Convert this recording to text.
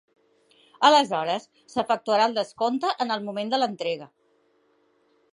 Aleshores s'efectuarà el descompte en el moment de l'entrega.